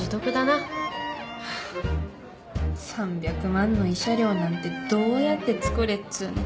３００万の慰謝料なんてどうやって作れっつうの。